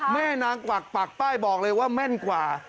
แม่นางกวักปักป้ายบอกเลยว่าแม่นกว่า